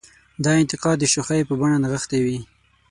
دا انتقاد د شوخۍ په بڼه نغښتې وي.